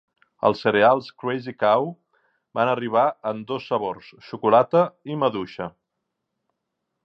Els cereals Crazy Cow van arribar en dos sabors, xocolata i maduixa.